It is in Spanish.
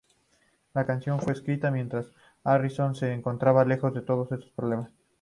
La canción fue escrita mientras Harrison se encontraba lejos de todos esos problemas.